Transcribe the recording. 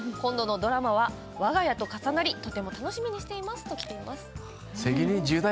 このドラマはわが家と重なりとても楽しみにしていますときています。